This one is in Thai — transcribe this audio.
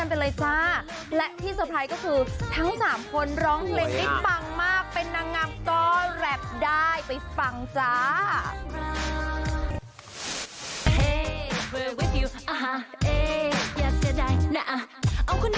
ี่ว่นเป็นที่เลยและเสียงกรุ่มกริ้งผมชอบตัวที่หลายคนชอบฟังเวลาพูดแต่พอสามคนนี้จะไปร้องเพลงและระดาษมืออาชีพ